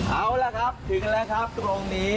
เอาล่ะครับถึงแล้วครับตรงนี้